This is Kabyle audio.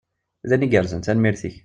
D ayen igerrzen. Tanemmirt-ik!